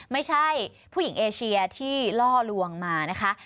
ไม่ใช่ผู้หญิงเอเชียที่ล่อลวงมานะคะ